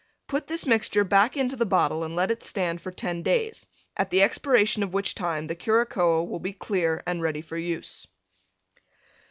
Put this mixture back into the bottle and let it stand for 10 days, at the expiration of which time the Curacoa will be clear and ready for use.